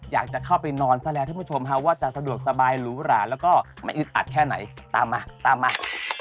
อยากจะเข้าไปนอนซะแล้วท่านผู้ชมว่าจะสะดวกสบายหรูหราแล้วก็ไม่อึดอัดแค่ไหนตามมาตามมา